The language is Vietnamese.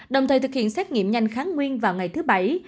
đồng thời thực hiện xét nghiệm nhanh kháng nguyên vào ngày thứ bảy